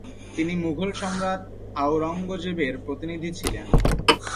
তিনি মুঘল সম্রাট আওরঙ্গজেবের প্রতিনিধি ছিলেন।